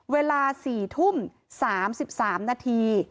เวลา๔ทุ่ม๓๓นาที